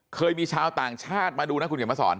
เคยมีชาวต่างชาติมาดูนะคุณเขียนมาสอน